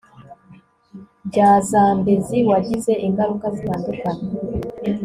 bya zambezi wagize ingaruka zitandukanye